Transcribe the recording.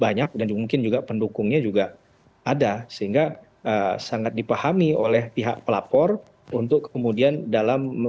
banyak dan mungkin juga pendukungnya juga ada sehingga sangat dipahami oleh pihak pelapor untuk kemudian dalam